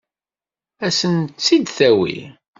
Ad sen-tt-id-tawi?